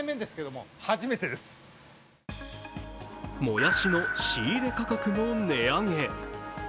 もやしの仕入れ価格の値上げ。